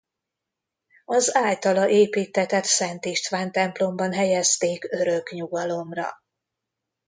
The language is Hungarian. Az általa építtetett Szent István templomban helyezték örök nyugalomra.